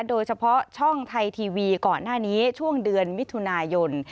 โดยเฉพาะช่องไทยทีวีก่อนหน้านี้ช่วงเดือนมิถุนายน